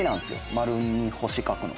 丸に星描くの。